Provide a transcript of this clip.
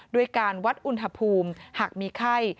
ด้วยการวัดอุณหภูมิหากมีไข้